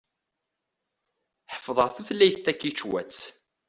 Ḥeffḍeɣ tulayt takičwatt.